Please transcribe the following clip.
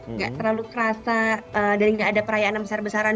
nggak terlalu kerasa dan nggak ada perayaan besar besaran